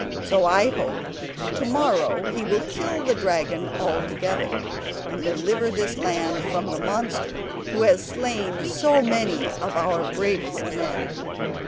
So I hope to morrow he will kill the dragon altogether, and deliver this land from the monster who has slain so many of our bravest men."